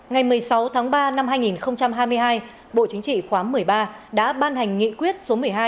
ngày một mươi sáu tháng ba năm hai nghìn hai mươi hai bộ chính trị khóa một mươi ba đã ban hành nghị quyết số một mươi hai